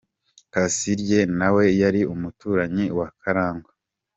Kasirye nawe yari umuturanyi wa Kalangwa.